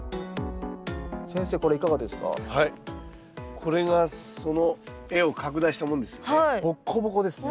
これがその画を拡大したものですね。